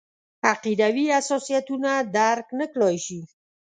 عقیدوي حساسیتونه درک نکړای شي.